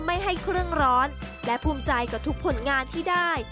ไม่ให้เครื่องร้อนและภูมิใจกับทุกผลงานที่ได้